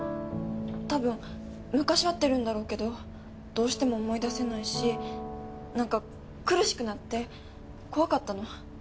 たぶん昔会ってるんだろうけどどうしても思い出せないしなんか苦しくなって怖かったの。